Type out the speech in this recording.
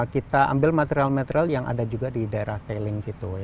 kita ambil material material yang ada juga di daerah tailing situ